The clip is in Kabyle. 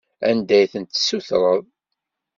Anda ay tent-tessutreḍ?